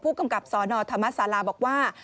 กำกับสนธรรมศาลาบอกว่า